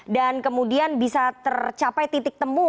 dan kemudian bisa tercapai titik temu